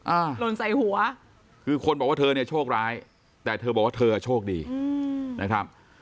หล่นใส่หัวคือคนบอกว่าเธอเนี่ยโชคร้ายแต่เธอบอกว่าเธอโชคดีอืมนะครับ